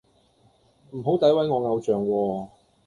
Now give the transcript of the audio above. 唔好詆毀我偶像喎